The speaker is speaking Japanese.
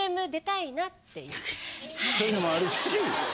そういうのもあるし。